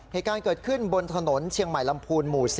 เหตุการณ์เกิดขึ้นบนถนนเชียงใหม่ลำพูนหมู่๔